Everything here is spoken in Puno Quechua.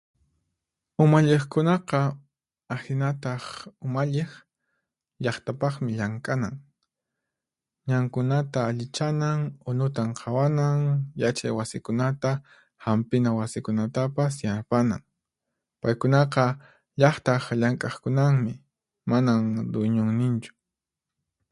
Umalliqkunaqa, ahinataq umalliq, llaqtapaqmi llank'anan. Ñankunata allichanan, unutan qhawanan, yachay wasikunata, hampina wasikunatapas yanapanan. Paykunaqa llaqtaq llank'aqkunanmi, manan duiñunninchu.